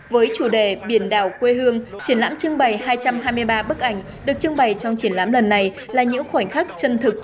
với chủ đề biển đảo quê hương triển lãm trưng bày hai trăm hai mươi ba bức ảnh được trưng bày trong triển lãm lần này là những khoảnh khắc chân thực